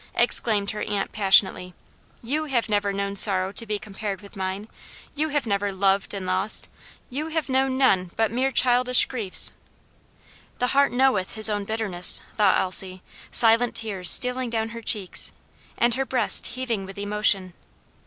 exclaimed her aunt passionately. "You have never known sorrow to be compared to mine! You have never loved, and lost you have known none but mere childish griefs." "'The heart knoweth his own bitterness!'" thought Elsie, silent tears stealing down her cheeks, and her breast heaving with emotion.